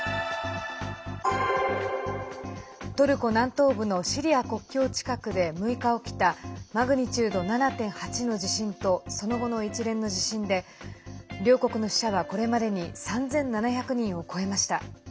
トルコ南東部のシリア国境近くで６日起きたマグニチュード７．８の地震とその後の一連の地震で両国の死者は、これまでに３７００人を超えました。